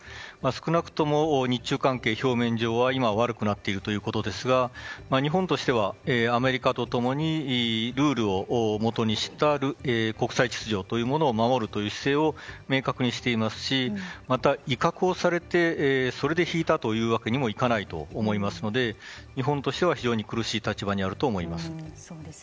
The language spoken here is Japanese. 少なくとも日中関係、表面上は今は悪くなっているということですが、日本としてはアメリカと共にルールをもとにした国際秩序を守るという姿勢を明確にしていますしまた、威嚇をされてそれで引いたというわけにもいかないと思いますので日本としては非常に苦しい立場にあると思います。